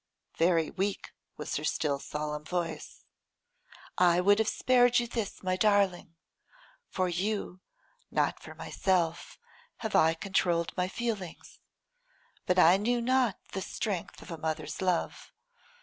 Very weak was her still, solemn voice. 'I would have spared you this, my darling. For you, not for myself, have I controlled my feelings. But I knew not the strength of a mother's love.